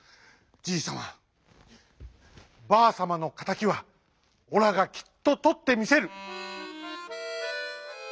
じいさまばあさまのかたきはオラがきっととってみせる！」。